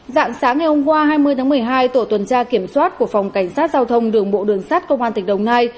dạng sáng ngày hôm qua hai mươi tháng một mươi hai tổ tuần tra kiểm soát của phòng cảnh sát giao thông đường bộ đường sát công an tỉnh đồng nai